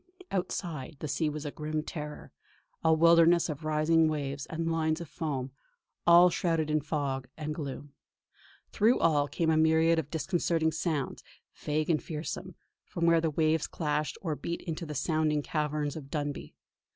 Outside, the sea was a grim terror, a wildness of rising waves and lines of foam, all shrouded in fog and gloom. Through all came a myriad of disconcerting sounds, vague and fearsome, from where the waves clashed or beat into the sounding caverns of Dunbuy.